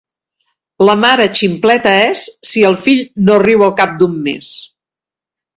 La mare ximpleta és, si el fill no riu al cap d'un mes.